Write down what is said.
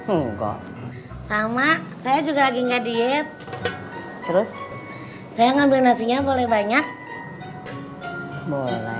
enggak kok sama saya juga lagi enggak diet terus saya ngambil nasinya boleh banyak boleh